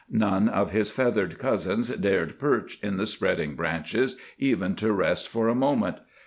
None of his feathered cousins dared perch in the spreading branches, even to rest for a moment.